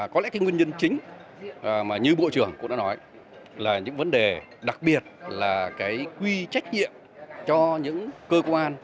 có lẽ cái nguyên nhân chính mà như bộ trưởng cũng đã nói là những vấn đề đặc biệt là cái quy trách nhiệm cho những cơ quan